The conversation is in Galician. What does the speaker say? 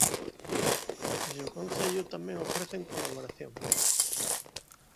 Desde o concello tamén ofrecen colaboración.